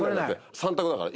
３択だから。